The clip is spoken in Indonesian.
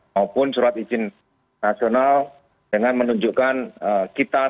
maupun surat izin nasional dengan menunjukkan kita